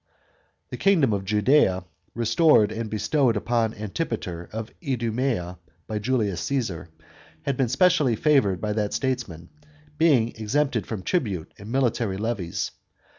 The kingdom of Judea, restored and bestowed upon Antipater of Idumea by Julius Caesar, had been specially favoured by that statesman, being exempted from tribute and military levies.